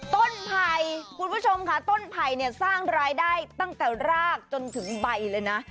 ไผ่คุณผู้ชมค่ะต้นไผ่เนี่ยสร้างรายได้ตั้งแต่รากจนถึงใบเลยนะ